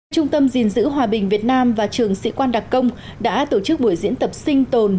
trung tâm gìn giữ hòa bình việt nam và trường sĩ quan đặc công đã tổ chức buổi diễn tập sinh tồn